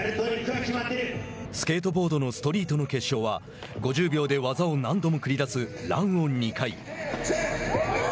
スケートボードのストリートの決勝は５０秒で技を何度も繰り出すランを２回。